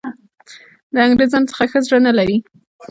د انګرېزانو څخه ښه زړه نه لري.